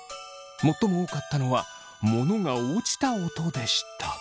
最も多かったのは物が落ちた音でした。